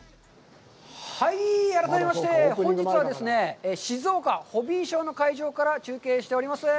はい、改めまして、本日はですね、静岡ホビーショーの会場から中継しております。